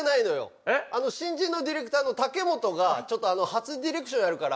新人のディレクターの武元がちょっとあの初ディレクションやるから。